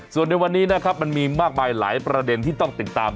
ส่วนในวันนี้นะครับมันมีมากมายหลายประเด็นที่ต้องติดตาม